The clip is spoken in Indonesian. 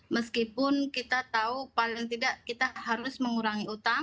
meskipun kita tahu paling tidak kita harus mengurangi utang